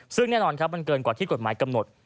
ซึ่งแน่นอนครับมันเกินกว่าที่กฎหมายกำหนด